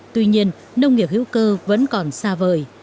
tuy nhiên nông nghiệp hữu cơ vẫn còn xa vời